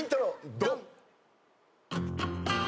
ドン！